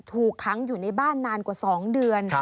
ถูกค้างอยู่ในบ้านนานกว่า๒เดือน